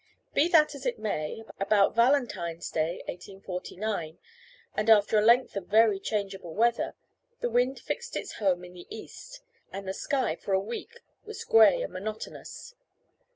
Be that as it may, about Valentine's day, 1849, and after a length of very changeable weather, the wind fixed its home in the east, and the sky for a week was grey and monotonous.